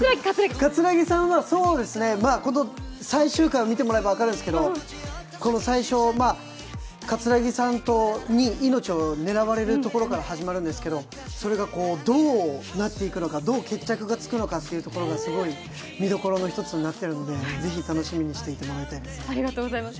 桂木さんは、最終回を見てもらえば分かるんですけど最初、桂木さんに命を狙われるところから始まるんですがそれがどうなっていくのか、どう決着がつくのかというところがすごい見どころの１つとなっているのでぜひ楽しみにしてもらいたいなと思います。